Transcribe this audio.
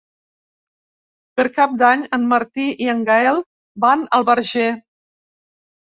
Per Cap d'Any en Martí i en Gaël van al Verger.